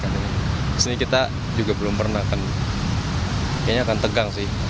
di sini kita juga belum pernah akan kayaknya akan tegang sih